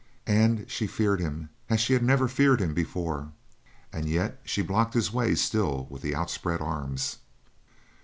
And she feared him as she had never feared him before yet she blocked his way still with the outspread arms.